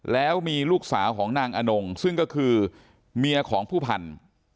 แล้วมีลูกสาวของนางอนงซึ่งก็คือเมียของผู้พันธุ์